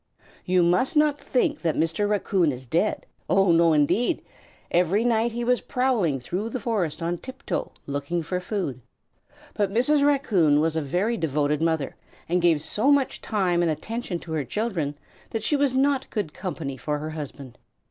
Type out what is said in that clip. You must not think that Mr. Raccoon was dead. Oh, no, indeed! Every night he was prowling through the forest on tiptoe looking for food. But Mrs. Raccoon was a very devoted mother and gave so much time and attention to her children that she was not good company for her husband.